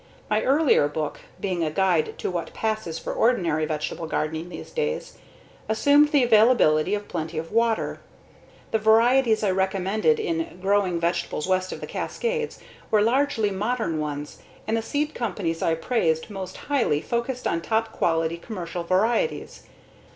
My earlier book, being a guide to what passes for ordinary vegetable gardening these days, assumed the availability of plenty of water. The varieties I recommended in [i]Growing Vegetables West of the Cascades[i] were largely modern ones, and the seed companies I praised most highly focused on top quality commercial varieties.